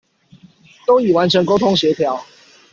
都已完成溝通協調